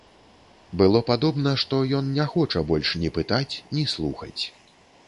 Было падобна, што ён не хоча больш ні пытаць, ні слухаць.